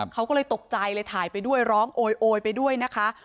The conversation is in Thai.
เขาก็เลยตกใจเลยถ่ายไปด้วยร้องโอยไปด้วยนะคะ